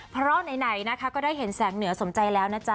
เพราะไหนนะคะก็ได้เห็นแสงเหนือสมใจแล้วนะจ๊